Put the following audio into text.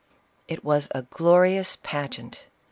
It was a glorious pageant!